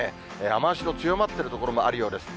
雨足の強まっている所もあるようです。